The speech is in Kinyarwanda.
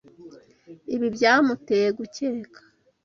Ibi byamuteye gukeka.